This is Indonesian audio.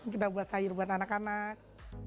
kita buat sayur buat anak anak